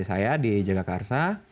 saya di jakarta